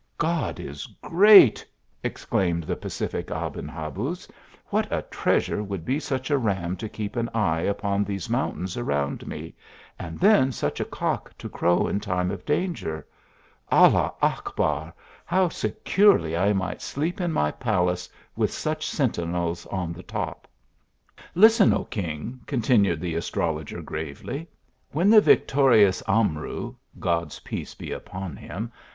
"God is great !" exclaimed the pacific Aben Ha buz ;" what a treasure would be such a ram to keep an eye upon these mountains around me, and then such a cock to crow in time of danger ! Allah Ach bar ! how securely I might sleep in my palace with such sentinels n the top !"" Listen, O king," continued the astrologer gravely. " When the victorious Amru (God s peace be upon him